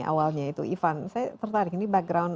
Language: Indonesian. awalnya itu ivan saya tertarik ini background